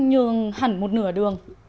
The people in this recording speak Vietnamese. nhường hẳn một nửa đường